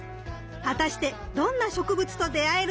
果たしてどんな植物と出会えるか？